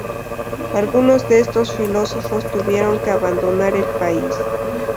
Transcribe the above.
Algunos de estos filósofos tuvieron que abandonar el país.